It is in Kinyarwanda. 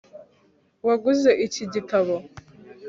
waguze iki gitabo